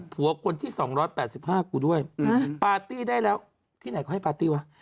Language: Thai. คนที่๒๘๕กูด้วยปาร์ตี้ได้แล้วที่ไหนเขาให้ปาร์ตี้วะ